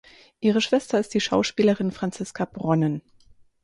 Ihre Schwester ist die Schauspielerin Franziska Bronnen.